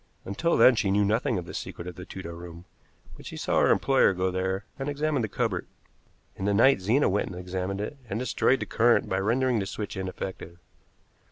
Until then she knew nothing of the secret of the Tudor room, but she saw her employer go there and examine the cupboard. In the night Zena went and examined it, and destroyed the current by rendering the switch ineffective.